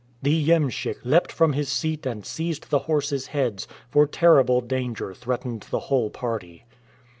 The iemschik leapt from his seat and seized the horses' heads, for terrible danger threatened the whole party.